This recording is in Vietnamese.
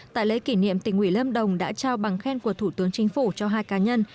tại lễ kỷ niệm tỉnh ủy lâm đồng đã trao bằng khen của thủ tướng chính phủ cho hai cá nhân